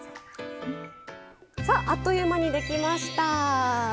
さああっという間にできました。